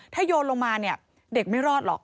ถ้าโยนลงมาเนี่ยเด็กไม่รอดหรอก